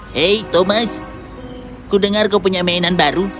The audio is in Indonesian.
hei thomas aku mendengar kamu memiliki permainan baru